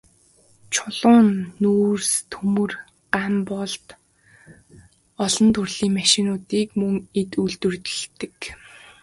Чулуун нүүрс, төмөр, ган болд, олон төрлийн машинуудыг мөн энд үйлдвэрлэдэг.